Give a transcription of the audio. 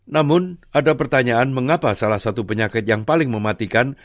namun ada pertanyaan mengapa salah satu penyakit yang paling mematikan